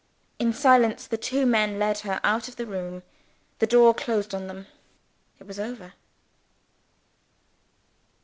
In silence, the two men led her out of the room. The door closed on them. It was over.